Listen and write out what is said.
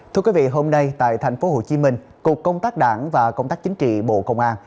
thưa quý vị hôm nay tại thành phố hồ chí minh cục công tác đảng và công tác chính trị bộ công an